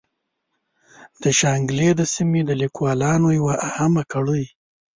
د شانګلې د سيمې د ليکوالانو يوه اهمه کړۍ